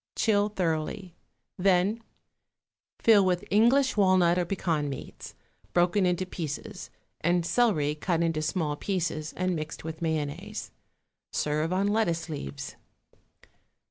Chill thoroughly, then fill with English walnut or pecan meats, broken into pieces, and celery, cut into small pieces and mixed with mayonnaise. Serve on lettuce leaves.